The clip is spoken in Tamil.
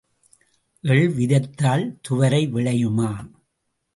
எள் விதைத்தால் துவரை விளையுமா?